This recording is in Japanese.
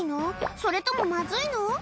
それともまずいの？